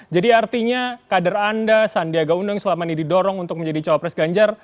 jadi artinya kader anda sandiaga undang yang selama ini didorong untuk menjadi cowok pres ganjar